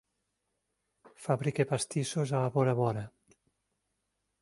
Fabrica pastissos a Bora Bora.